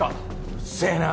うっせぇな。